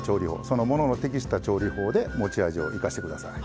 そのものの適した調理法で持ち味を生かしてください。